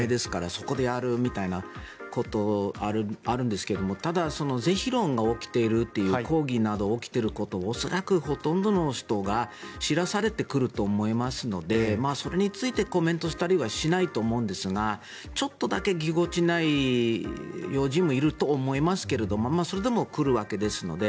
そこでやるみたいなことあるんですけどただ、是非論が起きているという抗議などが起きているということを恐らくほとんどの人が知らされてくると思いますのでそれについて、コメントしたりはしないと思うんですがちょっとだけぎこちない要人もいると思いますけれどもそれでも来るわけですので。